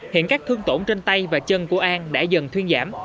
hiện các thương tổn trên tay và chân của an đã dần thuyên giảm